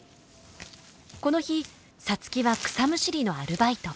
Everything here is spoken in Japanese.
この日皐月は草むしりのアルバイト。